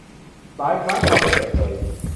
หลายครั้งทำโดยเปิดเผย